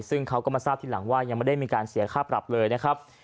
ซึ่งเขาก็มาทราบทีหลังว่ายังไม่ได้มีการเสียค่าปรับเลยนะครับ